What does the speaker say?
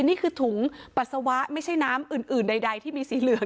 นี่คือถุงปัสสาวะไม่ใช่น้ำอื่นใดที่มีสีเหลือง